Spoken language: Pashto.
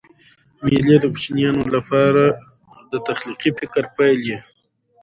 مېلې د کوچنیانو له پاره د تخلیقي فکر پیل يي.